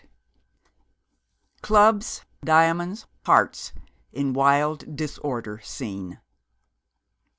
'CLUBS, DIAMONDS, HEARTS, IN WILD DISORDER SEEN.'